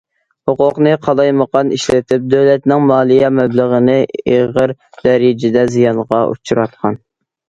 ھوقۇقىنى قالايمىقان ئىشلىتىپ، دۆلەتنىڭ مالىيە مەبلىغىنى ئېغىر دەرىجىدە زىيانغا ئۇچراتقان.